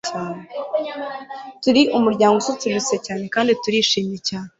turi umuryango ususurutse cyane kandi turishimye cyane